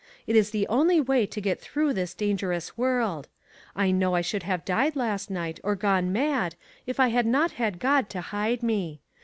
It is the only way to get through this dan gerous world. I know I should have died last night, or gone mad, if I had not had God to hide me.